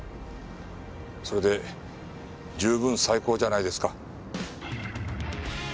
それで十分最高じゃないですか。